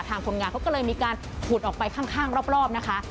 คนงานเขาก็เลยมีการขุดออกไปข้างรอบนะคะ